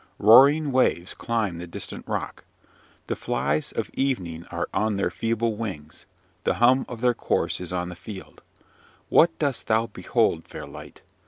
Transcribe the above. Roaring waves climb the distant rock. The flies of evening are on their feeble wings: the hum of their course is on the field. What dost thou behold, fair light?